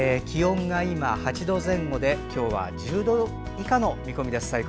気温が今、８度前後で今日は１０度以下の見込みです。